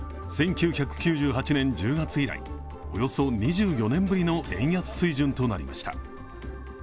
１９９８年１０月以来、およそ２４年ぶりの円安水準となりました。